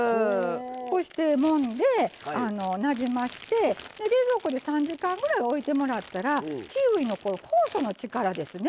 こうしてもんでなじましてで冷蔵庫で３時間ぐらいおいてもらったらキウイの酵素の力ですね